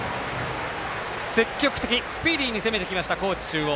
積極的、スピーディーに攻めてきました高知中央。